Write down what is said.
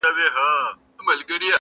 یو یار دي زه یم نور دي څو نیولي دینه.!